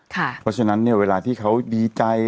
เพราะฉะนั้นเนี่ยเวลาที่เขาดีใจ